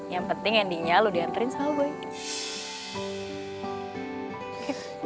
yang penting endingnya lo diantarin sama boy